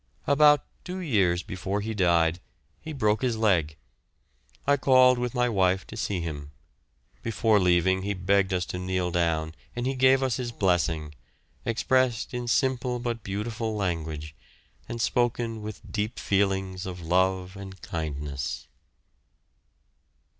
About two years before he died he broke his leg. I called with my wife to see him; before leaving he begged us to kneel down and he gave us his blessing, expressed in simple but beautiful language, and spoken with deep feelings of love and kindness.